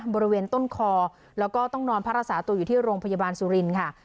บริเวณต้นคอแล้วก็ต้องนอนพักรักษาตัวอยู่ที่โรงพยาบาลสุรินทร์ค่ะ